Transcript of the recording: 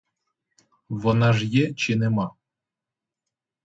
Вона ж є чи нема?